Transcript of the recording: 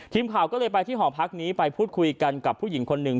ทีมข่าวก็เลยไปที่หอพักนี้ไปพูดคุยกันกับผู้หญิงคนหนึ่ง